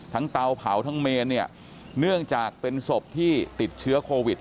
เตาเผาทั้งเมนเนี่ยเนื่องจากเป็นศพที่ติดเชื้อโควิด